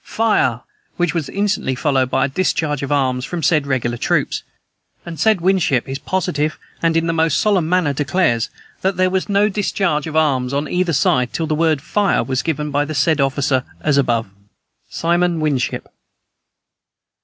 fire!' which was instantly followed by a discharge of arms from said regular troops; and said Winship is positive, and in the most solemn manner declares, that there was no discharge of arms on either side, till the word 'Fire' was given by the said officer as above. "SIMON WINSHIP."